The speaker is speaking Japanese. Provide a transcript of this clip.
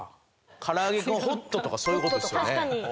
からあげクンホットとかそういうことですよね？